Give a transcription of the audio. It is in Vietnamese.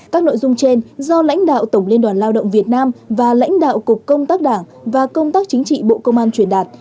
các nội dung trên do lãnh đạo tổng liên đoàn lao động việt nam và lãnh đạo cục công tác đảng và công tác chính trị bộ công an truyền đạt